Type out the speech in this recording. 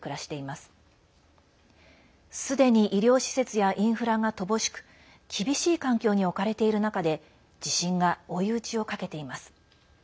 すでに医療施設やインフラが乏しく厳しい環境に置かれている中で地震が追い打ちをかけています。